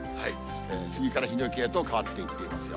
スギからヒノキへと変わっていってますよ。